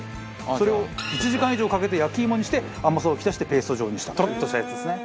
それを１時間以上かけて焼き芋にして甘さを引き出してペースト状にしたトロッとしたやつですね。